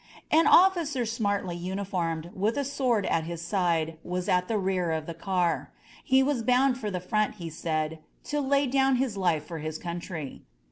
An officer smartly uniformed, with a sword at his side, was at the rear of the car. He was bound for the front, he said, to lay down his life for his country.